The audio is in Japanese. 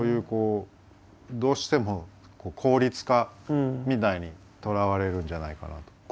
こうどうしても効率化みたいにとらわれるんじゃないかなと。